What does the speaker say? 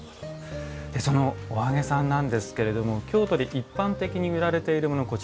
そのお揚げさんなんですけれども京都で一般的に売られているもの